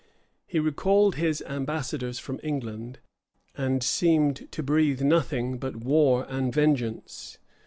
He recalled his ambassadors from England, and seemed to breathe nothing but war and vengeance.